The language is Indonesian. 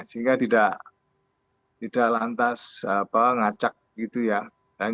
sehingga tidak lantas ngacak gitu ya